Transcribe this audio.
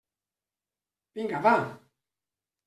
Vinga, va!